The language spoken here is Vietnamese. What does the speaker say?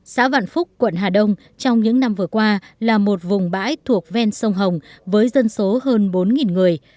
xã vạn phúc quận hà đông trong những năm vừa qua là một vùng bãi thuộc ven sông hồng với dân số hơn bốn người